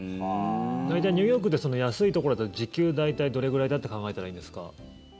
大体ニューヨークって安いところだと時給、大体どれぐらいだって考えたらいいんですか？